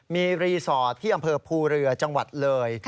มีรีสอร์ทที่อำเภอภูเรือจังหวัดเลย